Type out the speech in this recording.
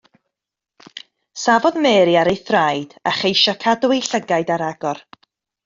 Safodd Mary ar ei thraed a cheisio cadw'i llygaid ar agor.